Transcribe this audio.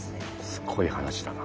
すごい話だな。